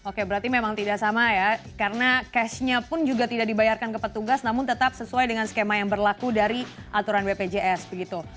oke berarti memang tidak sama ya karena cashnya pun juga tidak dibayarkan ke petugas namun tetap sesuai dengan skema yang berlaku dari aturan bpjs begitu